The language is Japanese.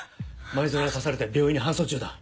前薗は刺されて病院に搬送中だ。